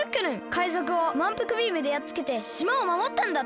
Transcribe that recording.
かいぞくをまんぷくビームでやっつけてしまをまもったんだって。